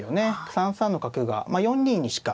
３三の角が４二にしか。